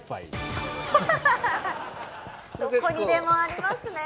どこにでもありますね。